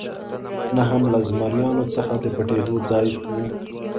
نه هم له زمریانو څخه د پټېدو ځای و.